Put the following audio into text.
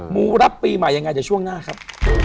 หมูรับปีใหม่อย่างไรจะช่วงหน้าครับ